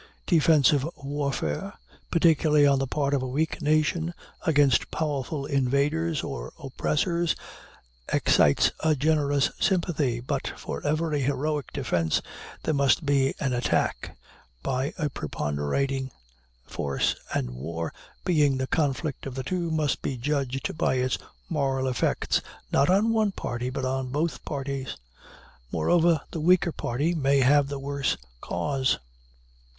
Defensive warfare, particularly on the part of a weak nation against powerful invaders or oppressors, excites a generous sympathy; but for every heroic defense there must be an attack by a preponderating force, and war, being the conflict of the two, must be judged by its moral effects not on one party, but on both parties. Moreover, the weaker party may have the worse cause.